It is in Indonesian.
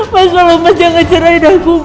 mas tolong mas jangan cerai dengan aku mas